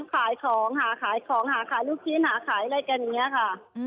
ขายของหาขายของหาขายลูกชิ้นหาขายอะไรกันอย่างนี้ค่ะ